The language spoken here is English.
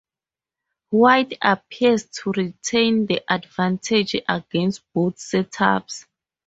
White appears to retain the advantage against both setups.